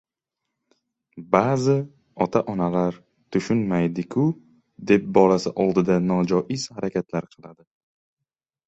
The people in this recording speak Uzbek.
Ba'zi ota-onalar “Tushunmaydi-ku”, deb bolasi oldida nojoiz harakatlar qiladi.